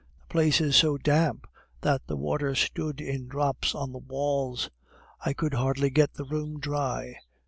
The place is so damp that the water stood in drops on the walls; I could hardly get the room dry.